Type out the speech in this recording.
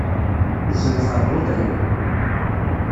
Tuzzel tɛebbuḍt-im?